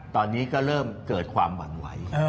ตอนนี้ก็เริ่มเกิดความหวั่นไหว